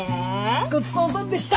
ごちそうさんでした！